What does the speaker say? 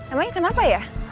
emangnya kenal apa ya